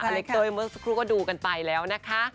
และเต๋ยเมิสกรุกก็ดูกันไปแล้วนะคะ